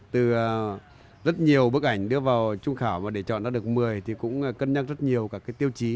từ rất nhiều bức ảnh đưa vào trung khảo và để chọn ra được một mươi thì cũng cân nhắc rất nhiều các tiêu chí